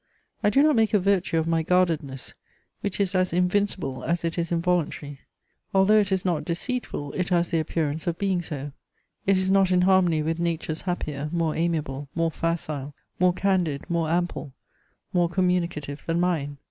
I do not make a virtue of my guardedness, which is as invincible as it is involuntary: although it is not deceitful, it has the appearance of being so; it is not in harmony with natures happier, more amiable, more facile, more candid, more ample, more communicative than mine.